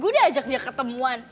gue udah ajak dia ke temuan